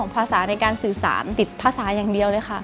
ภาษาในการสื่อสารติดภาษาอย่างเดียวเลยค่ะ